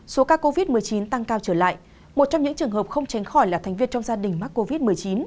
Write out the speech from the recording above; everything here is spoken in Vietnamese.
số ca covid một mươi chín tăng cao trở lại một trong những trường hợp không tránh khỏi là thành viên trong gia đình mắc covid một mươi chín